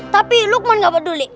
tapi lukman gak peduli